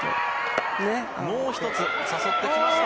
もう１つ、誘ってきた。